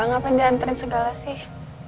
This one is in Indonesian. ngapain diantarin segala sih